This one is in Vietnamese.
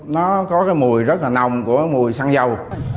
nó có cái mùi rất là nồng của mùi xăng dầu